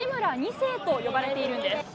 八村２世と呼ばれているんです。